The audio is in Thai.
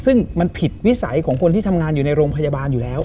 ซึ่งมันผิดวิสัยของคนที่ทำงานอยู่ในโรงพยาบาลอยู่แล้ว